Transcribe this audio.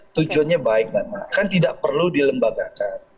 tujuannya baik nana kan tidak perlu dilembagakan